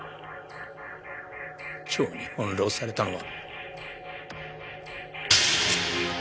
蝶に翻弄されたのは。